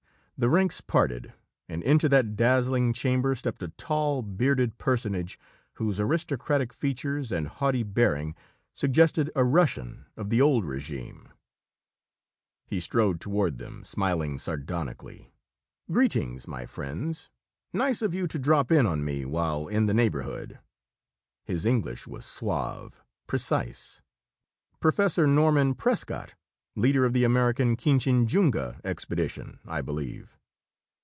The ranks parted and into that dazzling chamber stepped a tall, bearded personage whose aristocratic features and haughty bearing suggested a Russian of the old regime. He strode toward them, smiling sardonically. "Greetings, my friends! Nice of you to drop in on me while in the neighborhood." His English was suave, precise. "Professor Norman Prescott, leader of the American Kinchinjunga expedition, I believe."